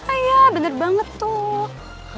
iya bener banget tuh